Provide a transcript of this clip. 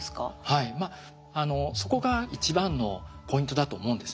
はいそこが一番のポイントだと思うんですね。